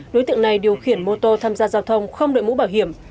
đối tượng này điều khiển mô tô tham gia giao thông không đội mũ bảo hiểm